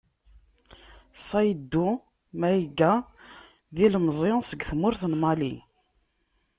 Ṣayddu Mayga d ilemzi seg tmurt n Mali.